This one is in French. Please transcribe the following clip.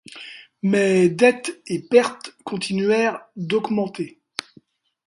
Mais, dettes et pertes continuèrent d'augmenter.